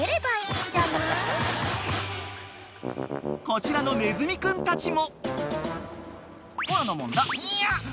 ［こちらのネズミ君たちも］